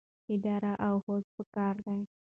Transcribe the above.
اراده او هوډ پکار دی.